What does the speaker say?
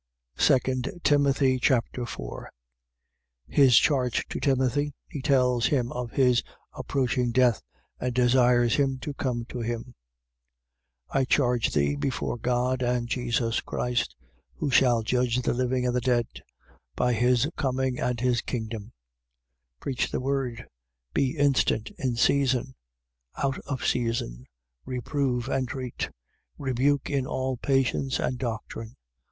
2 Timothy Chapter 4 His charge to Timothy. He tells him of his approaching death and desires him to come to him. 4:1. I charge thee, before God and Jesus Christ, who shall judge the living and the dead, by his coming and his kingdom: 4:2. Preach the word: be instant in season, out of season: reprove, entreat, rebuke in all patience and doctrine.